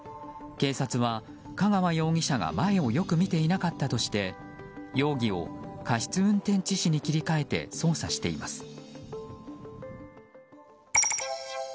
警察は、香川容疑者が前をよく見ていなかったとして容疑を過失運転致死に切り替えて捜査しています。